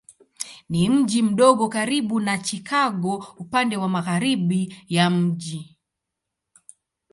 Ni mji mdogo karibu na Chicago upande wa magharibi ya mji.